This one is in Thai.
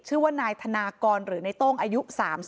ชื่อว่านายธนากรหรือในโต้งอายุ๓๒